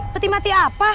peti mati apa